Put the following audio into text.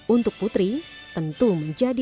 untuk putri tentu menjadi